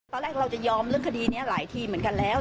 เราจะยอมเรื่องคดีนี้หลายทีเหมือนกันแล้ว